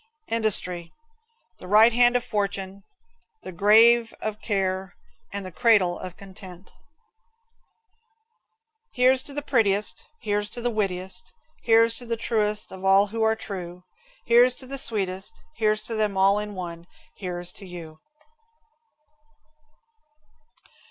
Industry. The right hand of fortune, the grave of care, and the cradle of content. Here's to the prettiest, Here's to the wittiest, Here's to the truest of all who are true. Here's to the sweetest one, Here's to them all in one here's to you.